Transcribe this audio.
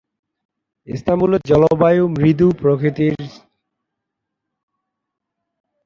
ইস্তাম্বুলের জলবায়ু মৃদু প্রকৃতির।